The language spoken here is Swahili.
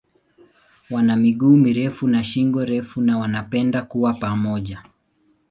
Wana miguu mirefu na shingo refu na wanapenda kuwa pamoja.